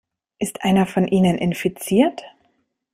Ist einer von ihnen infiziert?